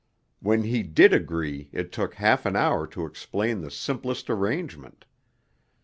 When he did agree it took half an hour to explain the simplest arrangement.